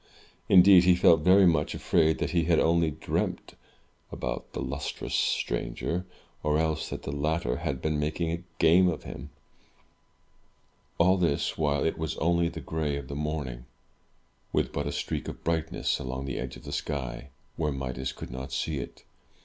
Indeed, he felt very much afraid that he had only dreamed about the lustrous stranger, or else that the latter had been making game of him. All this while, it was only the gray of the morning, with but a streak of brightness along the edge of the sky, where Midas could not see it.